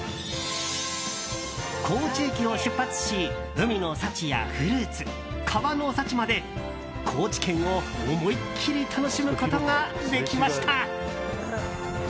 高知駅を出発し海の幸やフルーツ、川の幸まで高知県を思い切り楽しむことができました。